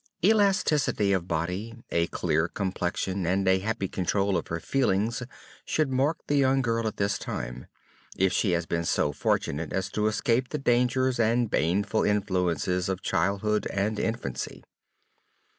Elasticity of body, a clear complexion, and a happy control of her feelings should mark the young girl at this time, if she has been so fortunate as to escape the dangers and baneful influences of childhood and infancy.